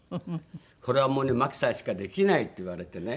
「これはもうね麻紀さんしかできない」って言われてね。